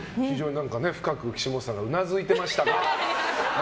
深く岸本さんがうなずいていましたが。